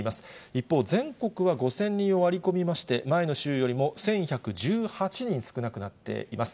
一方、全国は５０００人を割り込みまして、前の週よりも１１１８人少なくなっています。